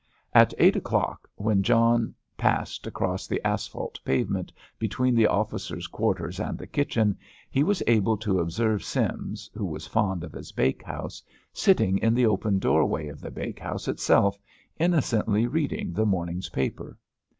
At eight o'clock, when John passed across the asphalt pavement between the officers' quarters and the kitchen, he was able to observe Sims, who was fond of his bake house, sitting in the open doorway of the bakehouse itself, innocently reading the morning's paper.